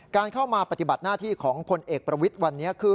การเข้ามาปฏิบัติหน้าที่ของพลเอกประวิทย์วันนี้คือ